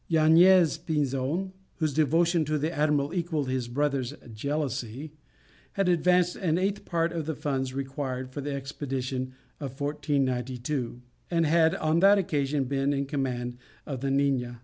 Yañez Pinzon, whose devotion to the admiral equalled his brother's jealousy, had advanced an eighth part of the funds required for the expedition of 1492, and had on that occasion been in command of the Nina.